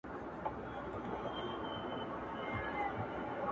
یوه ورځ ورسره کېږي حسابونه-